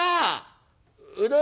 うどん屋！」。